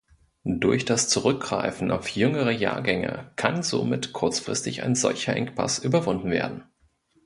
Durch das Zurückgreifen auf jüngere Jahrgänge kann somit kurzfristig ein solcher Engpass überwunden werden.